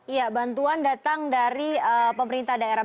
iya bantuan datang dari pemerintah daerah